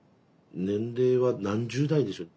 年齢は何十代でしょう。